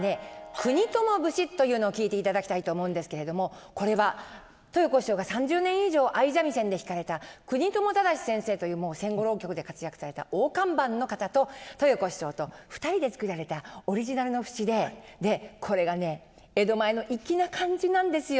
「国友節」というのを聴いていただきたいと思うんですけれどもこれは豊子師匠が３０年以上相三味線で弾かれた国友忠先生というもう戦後浪曲で活躍された大看板の方と豊子師匠と２人で作られたオリジナルの節でこれがね江戸前の粋な感じなんですよ。